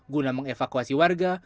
guna mengevakuasi warga